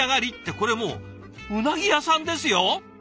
これもううなぎ屋さんですよ！？